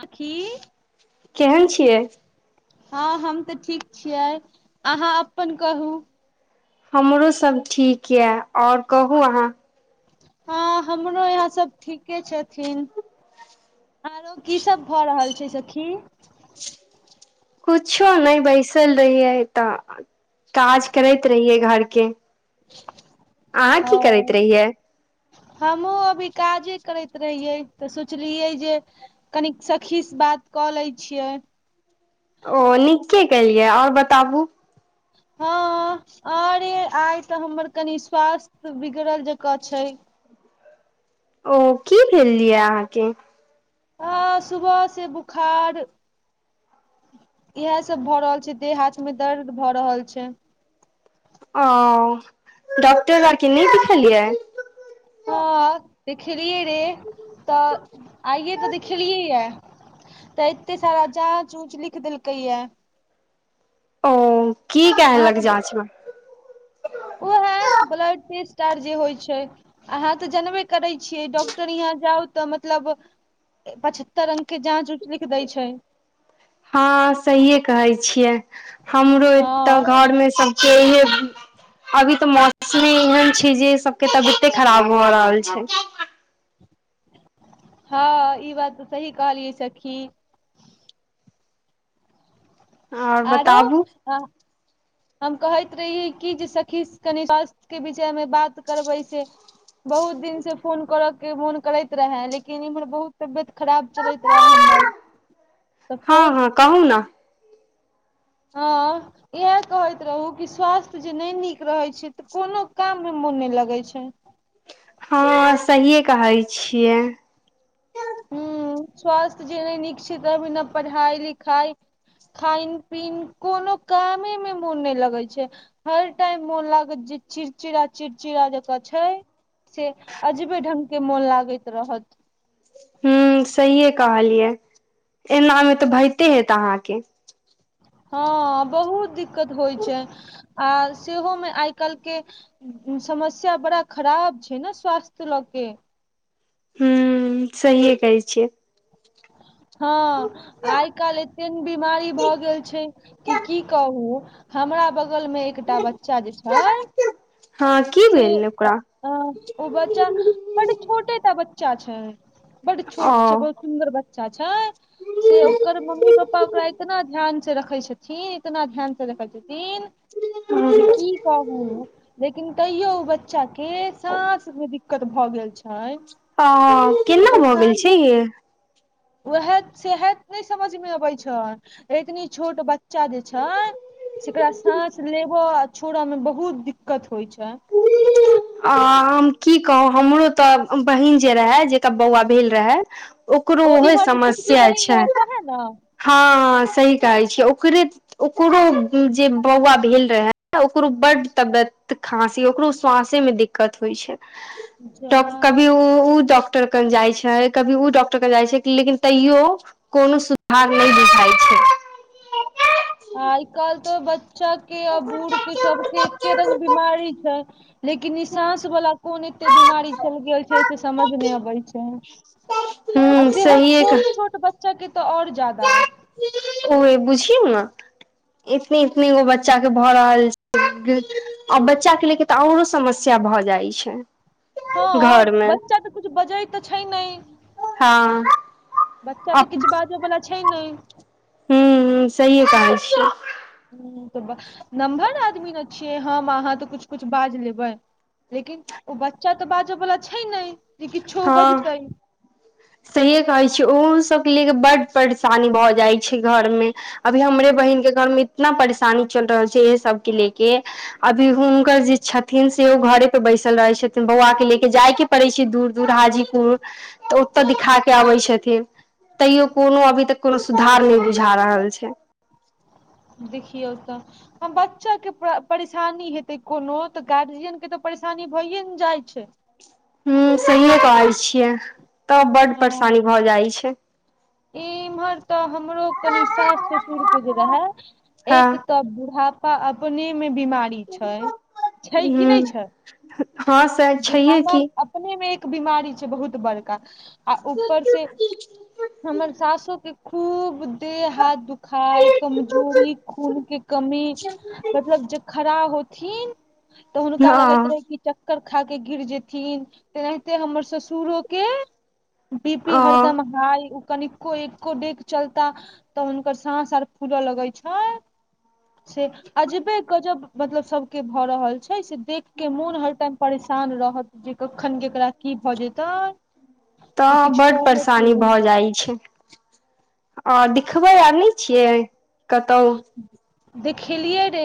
आखी केहन छियै हँ हम तऽ ठीक छियै अहाँ अपन कहू हमरो सब ठीक यए और कहु अहाँ हँ हमरो यहा सब ठीके छथिन और की सब भ रहल छै छै सखी कुछो नहि बैसल रही है तऽ काज करैत रहियै घरके अहाँ की करैत ओ रहियै हमहुँ अभी काजे करैत रहियै तऽ सोचलियै जे कनिक सखीसँ बात कऽ लै छियै ओ नीके केलियै और बताबु हँ अरे आइ तऽ हमर कनि स्वास्थ बिगड़ल जकाँ छै ओ की भेलि यियै अहाँके ह सुबह से बुखार इएह सब भऽ रहल छै देह हाथ में दर्द भऽ रहल छै ओ डॉक्टर लग के नहि देखलियै हँ देखलियै रे तऽ आइए तऽ देखलियै यै तऽ एते साराचार चुच लिख देलकै यै ओ की केहलक जाँच मे ओहे ब्लड टेस्ट आर जे होइ छै अहाँ तऽ जनबे करै छियै डॉक्टर यहाँ जाउ तऽ मतलब पचहत्तर रंग के जाँच ऊँच लिख दै छै हँ सहित है कहै छियै हमरो हँ एतऽ घर मे सब छिययै इ अभी तऽ मौसमी एहन छै जे सबके तबियते खराब भ रहल छै हँ ई बात तऽ सही कहलियै सखी आओर आरो बताबू अ हम कहैत रहियै कि जे सखी कनि स्वास्थ्य के विषयमे बात करबै से बहुत दिन से फोन करऽ के मोन करैत रहे लेकिन इम्हर बहुत तबियत खराब चलैत रहे हमर ह [inaudible] हँ हँ कहू ना हँ इएह कहैत रहू कि स्वास्थ्य जे नहि नीक रहैत छै कोनो काम मे मोन नहि लगै छै हँ सहिए कहै छियै ह स्वास्थ्य जे नहि नीक छै तऽभ ने पढ़ाइ लिखाई खनि पीन कोनो कामे में मोन नहि लगे छै हर टाइम मोन लागत जे चिड़चिड़ा चिड़चिड़ा जकाँ छै से अजीबे ढंग के मोन लागैत रहत हू सहिए कहलियै एना मे तऽ भते हेत अहाँके हँ बहुत दिक्कत होइत छै आ सेहोमे आइ काल्हिके समस्या बड़ा खराब छै ने स्वास्थ्य लऽ के हू सहिए कहै छियै हँ आइ कालि एते ने बिमारी भऽ गेल छै कि की कहू हमरा बगलमे एकटा बच्चा जे छै हँ की जे भेल ओकरा अ ओ बच्चा बड छोटेटा बच्चा छै बड ओ छोट छै बहुत सुन्दर बच्चा छै से ओकर मम्मी पापा ओकरा इतना ध्यान से रखै छथिन इतना ध्यान से रखै छथिन जे की कहू लेकिन तइयो ओ बच्चा के सास मे दिक त भऽ गेल छै अ केना ओकर भऽ गेल छै साँस य [inaudible] उएह सएह नहि समझमे अबैत छै एतनी छोट बच्चा जे छै जेकरा साँस लेबय आ छोड़य मे बहुत दिक्कत होइत छै अ हम की कहू हमरो तऽ बहिन जे रहे जेकरा बौआ भेल रहे ओकरो ओ उहे इम्हर जे छोटकी समस्या बहिन छै रहे सएहे ने हँ सही कहै छियै ओकरे ओकरो जे बौआ भेल रहै, ओकरो बड्ड तबियत खाँसी ओकरो स्वास। दिक्कत होइ छै जा की। डॉक्टर कन जाइ छै, कभी ओ डॉक्टर कन जाइ छै, लेकिन तैयो। कोनो सुभाग नहि देखै छै। आइ काल्हि तो बच्चाके आ बूढ़के सभके एके रंग बिमारी छै। लेकिन निसास वाला कोन एते बीमारी चल गेल छै से समझ न अबे छै। त। सेहो होत छोट छोट बच्चाे तऽ आऔर ज्यादा। ओ बुझियौ ने एतने इतने गो बच्चाके भऽ रहल छै। आ बच्चाके लेके तऽ आऔरो समस्या भऽ जाइ छै। घर हँ, मे बच्चा तऽ कुछु बजै तऽ छै, नहि हँ बच्चा तऽ किछु बाजय बला छै ने। हू सही काज छै। ह, तऽ नम्हर आदमी मने छियै हम अहाँ तऽ कुछ कुछु बाजि लेबै। लेकिन ओ बच्चा तऽ बाजऽ वाला छै, ने जे किछो हँ बजतै। सहिए कहै छियै ओहो सभके ले कऽ बड परेशानी भऽ जाइत छै, घरमे। अभी हमरे हूँ, बहिनके घरमे इतना परेशानी चलि रहल छै, इे सभके लेके अभी हुनका जे। छथिन से ओ घरे पर बैसल रहैत छथिन बौआ के लऽ क जाइके पड़ैत छै, दूर दूर हाजीपुर तऽ ओ ओत दिखा के अबै छथिन तैयो कोनो अभी तक कोनो सुधार नहि बुझा रहल छै। देखियऔ तऽ। बच्चाके परेशानी हेतै कोनो तऽ गार्जियनके तऽ परेशानी भइए ने जाइ छै। ह सहियो कहै छियै तब बड परेशानी भऽ जाइ छै। इमहर तऽ हमरो कनि सास ससुरके जे रहे हँ एक तऽ बूढ़ा। अपनेमे बीमारी छै, छै कि नहि हूं छै, हँ सैह छैहे बुढ़ापा की अब। ने मे एक बीमारी छै, बहुत बड़का आ ऊपरसे हमर सासोके खूब देह हाथ दुख। खाय कमजोरी खूनके कमी मतलब जे खड़ा होथिन। तऽ हुनका लगै हँ इत रह कि च। चक्कर खाके गिर जेथिन तेनाहिते हमर ससुरो के बी पी हँ हरदम हाय। कनिको एकको डेग चलता तऽ हुनकर सास आर फूलऽ लगे छै। से। अजबे क जब मतलब सभके भऽ रहल छै, से देख के मोन हर टाइम परेशान रहत। कखन केकरा की भऽ जेतै। से तऽ किछु बड़ कहय के परेशानी भऽ नहि जाइ छै। आ दिखबै आर नहि छियै कतहु? देखेलियै रे,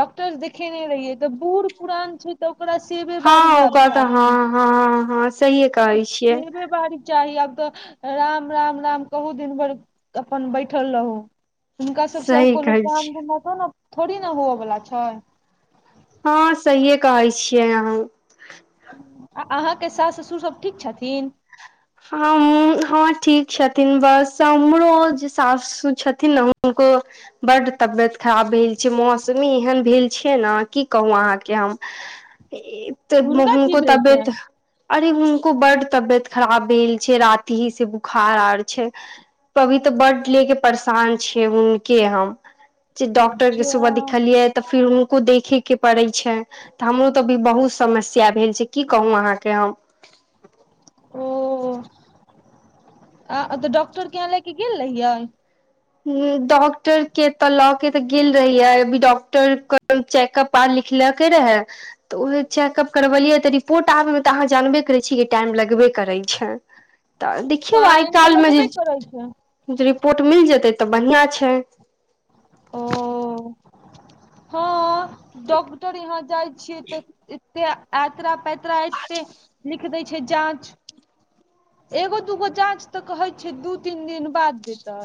डॉक्टर देखेने रहियै तऽ बूढ़-पुरान छै। तऽ ओकरा सेबे बारी हँ न ओकर तऽ चाही। हँ, हँ। सहिए कहै छियै छबे बारी चाही आब तऽ राम, राम, राम कहू दिन भरि अपन बैठल रहू। हुनका सभसे आब सही कोनो कहै काम छियै धम होतौ ने थोड़ी ने हवए बला छै। हँ, सहिए कहै छियै। अहूँ आ अहाँकेँ सास ससुर सभ ठीक छथिन? हम हँ, ठीक छथिन। बस हमरो जे सासु छथिन ने हुनको। बड़ तबियत खराब भेल छै, मौसमी एहन भेल छै, ने की कहू अहाँकेँ हम। [inaudible] त हुनका की हको भेल तबियत छनि अरे हुनको बड तबियत खराब भेल छै राति ही से बुखार आर छै पभी त बड ले के परेशान छिय हुनके हम जे डॉक्टर के सुबह जा दिखलियै तफिर हुनको देखे के पड़ैत छै त हमरो त अभी बहुत समस्या भेल छै की कहू अहाँके हम ह त डॉक्टर के यहाँ ले के गेल रहियै डॉक्टर के त ल के त गेल रहियै अभी डॉक्टर के चेकअप पढ़ लिख ल के रहै त उह चेकअप करबलियै त रिपोर्ट आबे मे त अहाँ जानबे करैत छीयै कि टाइम लगबे करैत छै [inaudible] त देखियौ आइ टाइम तऽ काल मे जे लगबे करै छै रिपोर्ट मिल जेतै त बढ़िआं छै ओ हँ डॉक्टर यहाँ जाइ छियै त एतराा पतरा एते लिख दै छै जाँच एगो दूगो जाँच त कहै छै दू तीन दिन बाद देतै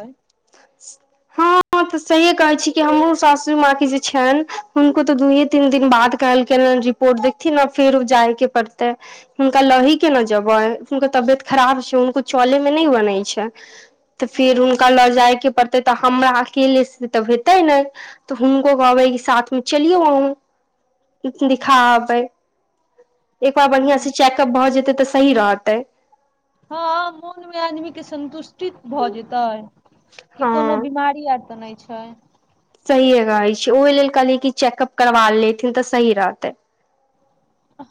[inaudible] तसहिे कहै छी कि हमरो सासु माँकी जे छनि हुनको तऽ र दुये तीन दिन बाद कहलखिन रि पोट देखथिन आ फेरो जायके पड़तै हुनका लही के न जेबे हुनको तबियत खराब छै हुनको चले में न बनै छै [inaudible] त फिर उनका ल जाय के प हमरा अकेले से त हेतै ने त हुनको कहबै कि साथ मे चलियौ अहु दिखाबै एक बार बढ़ियां से चेकअप भऽ जेते तऽ सही रहते हँ मोनमे आदमीके संन्तुष्टित भ जेतै कि कोनो हँ बीमारी आर त नहि छै सहिए रहै छै ओहि लेल कहलियै कि चेकअप करबा लेथिन त सही रहतै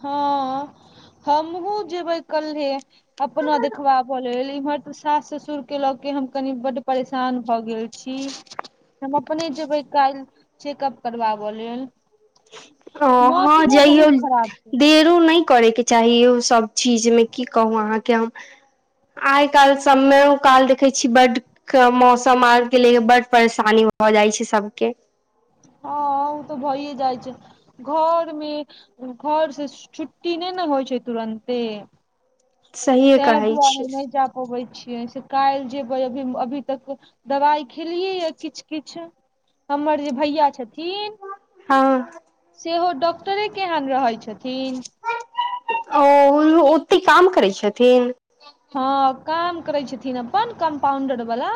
हँ हमहुँ जेबै कल्हे अपना देखबाब लेल इम्हर तऽ सास ससुर के लऽ के हम कनि बड परेशान भऽ गेल छी छी हम अपने जेबै काल्हि चेकअप करबाबय लेल ओ हँ जइ अचछ फरो नहि करयके चाही ओ सभ चीज मे की कहू अहाँके हम आइ काल्हि समेओ काल देखै छीयै बड मौसम आर के लिये बड परेशानी भ जाइ छै सबके हँ उत भइए जाइ छै घर मे घर से छुट्टी नहि ने होइ छै तुरन्ते सहिए ताहि कहै दुआरे छी नहि जा पबैत छियै से काल्हि जेबै अभी अभी तक दबाइ खेलियै य किछु किछु हमर जे भैया छथिन हँ सेहो डॉक्टरे के यहा न रहैत छथिन ओ ओत्ते काम करै छथिन हँ काम करै छथिन अपन कम्पाउंडर वाला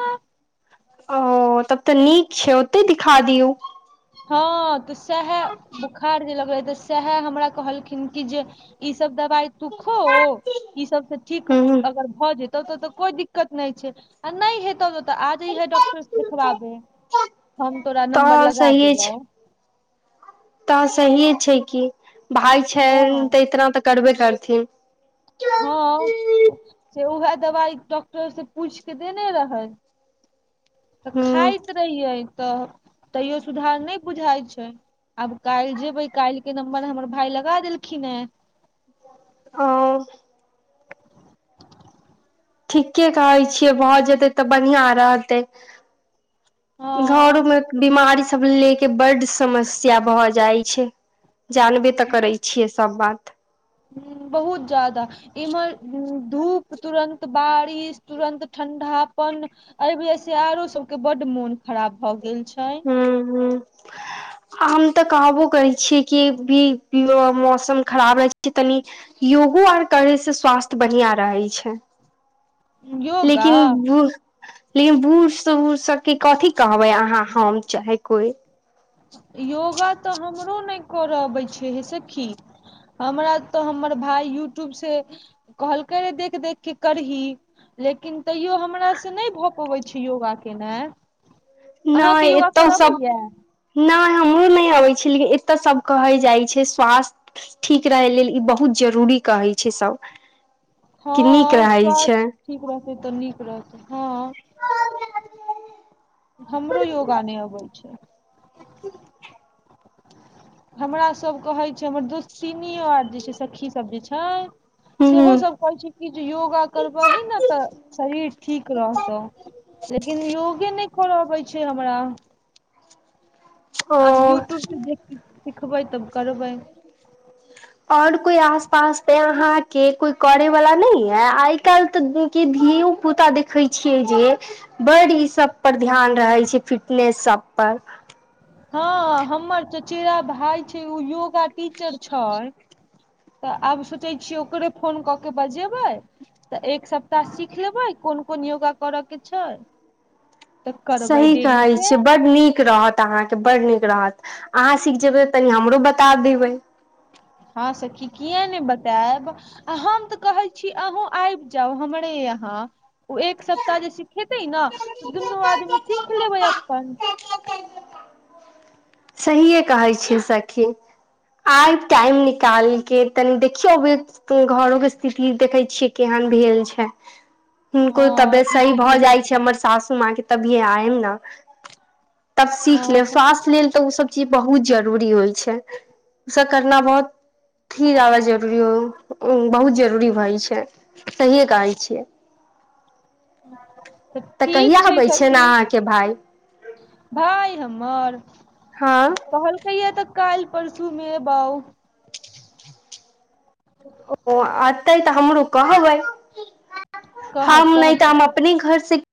ओ तब त नीक छै ओते दिखा दियौ हँ त सएह बोखार जे लगले त सएह हमरा कहलखिन कि जे ई सब दवाई तूखो ई सब से ठीक ह अगर भए जेतौ तो ते कोई दिक्क दिक्कत नहि छै आ नहि हेत त आजहिए डॉक्टर देखबाबे हम तो नमबर तऽ लग दे त सहिए छै कि भाय छै हँ त इतना त करबे करथिन हँ से उएह दबाइ डॉक्टर से पूछि के देने रहै त खाइत हूं रहियै त तैयो सुधार नय बुझाइत छै आब काईल जेबै काईल के नम्बर हमर भाय लगा देलखिन हे ओ ठीके कहै छियै भऽ जेतै तऽ बढ़िआ रहतै हँ घरो मे बीमारी सब लेके के बड्ड समस्या भऽ जाइ छै जानबे तऽ करे छियै सब बात बहुत जादा इमहर धूप तुरन्त बारिश तुरन्त ठण्डापन एहि बेर स आरो सभके बड्ड मोन खराब भऽ गेल छै हूं हूं हम तऽ कहबो करै छियै कि ई मौसम खराब रहै छै तनी योगो आर करै से स्वास्थ बढ़िआँ रहै छै [inaudible] योगा लेकिन बूढ़ लेकिन बूढ़ स सबके कथी कहबै अहाँ हम चाहे कोइ योगा तऽ हमरो नहि करऽ अबै छै हे सेखी हमरा तऽ हमर भाय यूट्यूब से कहलकै हे देख देख के करही लेकिन तैयो हमरास से नहि भऽ पबैत छै योगा केनाइ अहाँके नहि योगा एतौ करा सब अबैया नहि हमरो नहि अबैत छै लेकिन एतय सभ कहै जाइत छै स्वास्थ्य ठीक रहै लेल ई बहुत जरूरी कहै छै सभ हँ क नीक रहैत स्वास्थ्य छै ठीक रहतै तऽ नीक रहतै हँ हमरो योगा नहि अबै छै हमरा सब कहैत छै हमर दोस्ततीनो आर जे छै सखी सब जे छै हूँ सेहोसभ कहैत छै कि जे योगा करबही ने तऽ शरीर ठीक रहतौ लेकिन योगे नहि करअ अबय छै हमरा ओ आब यूट्यूबसँ देख सिखबै तब करबै और कोई आस पास पे यहां के कोई करे वाला नहं है आइ काल्हि तऽ के धियो पुता देखे छियै जे बड ई सब पर ध्यान रहे छै फिटनेस सब पर हँ हमर चचेरा भाय छै ओ योगा टीचर छै तऽ आब सोचै छियै ओकरे फोन कऽ के बजेबै तऽ एक सप्ताह सीख लेबै कोन - कोन योगा करय के छै तऽ करबै सही डेली कहैत से छीयय बड नीक रहत तऽ अहाँके बड्ड नीक रहत अहाँ सीख जेबै तनि हमरो बता देबै हँ सखी किया ने बतायब आ हम तऽ कहै छी अहूँ आबि जाउ हमरे यहाँ ओ एक सप्ताह जे सिखेतै ने तऽ दुनू आदमी सीख लेबै अपन सहिए कहै छियै सखी आइ टाइम निकाल के तनि देखियौभी त घरो के स्थिति देखै छियै केहन भेल छै हुनको हँ तबियत ई सही तऽ भऽ भेले जाइ छै हमर सासू माँके तभिए आयब न तब सीख हँ लेब स्वास्थ्य लेल तऽ ओसभ चीज बहुत जरूरी होइ छै ओसभ करना बहुत ी आबऽ जरूरी हो बहुत जरूरी भई छै सहि कहै छियै तऽ कहिया अबै छै ने अहाँके भाय भाय हमर हँ कहलकैया तऽ काल्हि परसू मे ऐबैउ [inaudible] ओ अते तऽ हमरो कहबै ह कहब नहि तऽ कहब हम अपने घर से